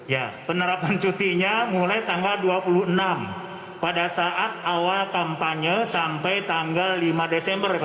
ya penerapan cutinya mulai tanggal dua puluh enam pada saat awal kampanye sampai tanggal lima desember